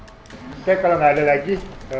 saya kalau nggak ada lagi